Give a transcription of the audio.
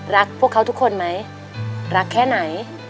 รักพวกเขาทุกคนไหมรักแค่ไหน